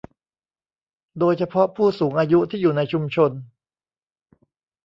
โดยเฉพาะผู้สูงอายุที่อยู่ในชุมชน